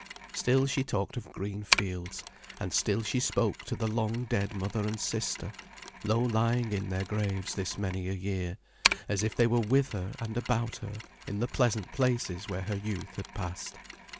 Still she talked of green fields, and still she spoke to the long dead mother and sister, low lying in their graves this many a year, as if they were with her and about her, in the pleasant places where her youth had passed.